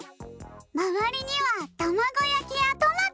まわりにはたまごやきやトマト！